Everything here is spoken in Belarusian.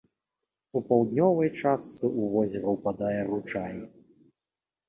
У паўднёвай частцы ў возера ўпадае ручай.